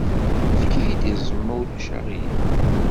Efk-iyi-d iẓem, ma ulac aɣilif.